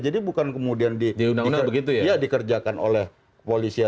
jadi bukan kemudian dikerjakan oleh polisian sendiri